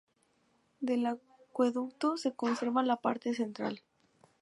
Del acueducto se conserva la parte central.